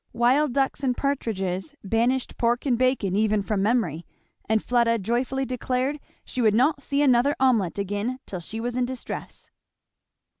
Wild ducks and partridges banished pork and bacon even from memory; and Fleda joyfully declared she would not see another omelette again till she was in distress.